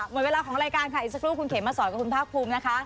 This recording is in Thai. หมดเวลาของรายการค่ะอีกสักครู่คุณเขมมาสอนกับคุณภาคภูมินะคะ